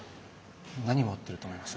何持ってると思います？